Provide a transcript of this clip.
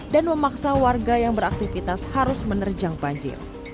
dan memaksa warga yang beraktivitas harus menerjang banjir